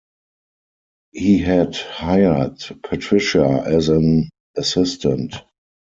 He had hired Patricia as an assistant.